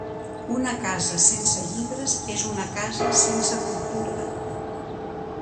Una casa sense llibres és una casa sense cultura.